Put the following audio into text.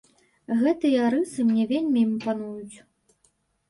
Гэтыя рысы мне вельмі імпануюць.